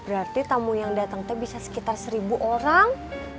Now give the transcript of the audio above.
berarti tamu yang datang itu bisa sekitar seribu orang